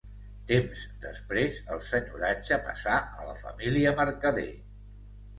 Temps després, el senyoratge passà a la família Mercader.